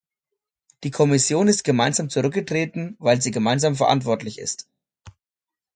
Die Kommission ist gemeinsam zurückgetreten, weil sie gemeinsam verantwortlich ist.